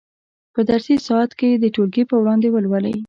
په درسي ساعت کې یې د ټولګي په وړاندې ولولئ.